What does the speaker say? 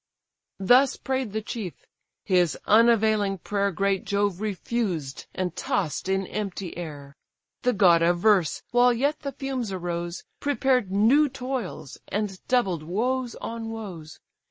Thus prayed the chief: his unavailing prayer Great Jove refused, and toss'd in empty air: The God averse, while yet the fumes arose, Prepared new toils, and doubled woes on woes.